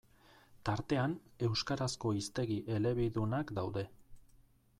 Tartean, euskarazko hiztegi elebidunak daude.